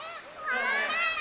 こんなの！